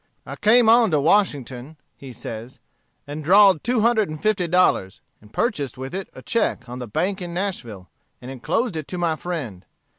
"I came on to Washington," he says, "and drawed two hundred and fifty dollars, and purchased with it a check on the bank in Nashville, and enclosed it to my friend.